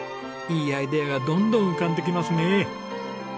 いいアイデアがどんどん浮かんできますね。